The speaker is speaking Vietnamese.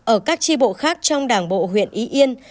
ở các tri bộ khác trong đảng bộ huyện y yên